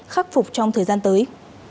khắc phục trong thời gian tới